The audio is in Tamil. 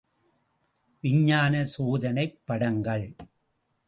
விஞ்ஞானச் சோதனைப் படங்கள்.